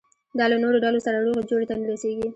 دا له نورو ډلو سره روغې جوړې ته نه رسېږي.